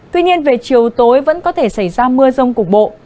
tuy nhiên về chiều tối vẫn có thể xảy ra mưa rông cục bộ